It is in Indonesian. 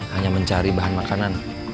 hanya mencari bahan makanan